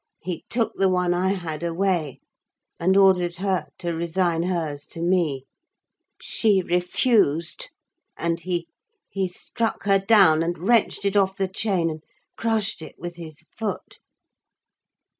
He took the one I had away, and ordered her to resign hers to me; she refused, and he—he struck her down, and wrenched it off the chain, and crushed it with his foot."